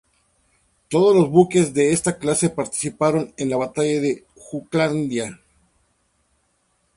Todos las buques de esta clase participaron en la Batalla de Jutlandia.